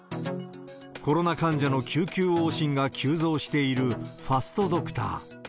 コロナ患者の救急往診が急増しているファストドクター。